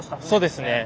そうですね。